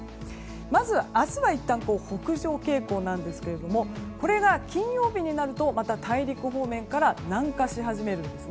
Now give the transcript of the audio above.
まず、明日はいったん北上傾向なんですがこれが金曜日になるとまた大陸方面から南下し始めるんです。